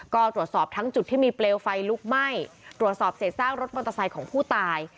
ก็ตรวจสอบทั้งจุดที่มีเปลวไฟลุกไหม้ตรวจสอบเศษซากรถมอเตอร์ไซค์ของผู้ตาย